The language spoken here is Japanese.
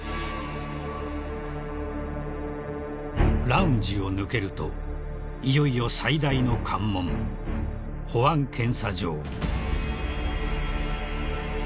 ［ラウンジを抜けるといよいよ最大の関門保安検査場］